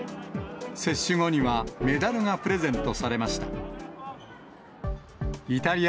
接種後には、メダルがプレゼントされました。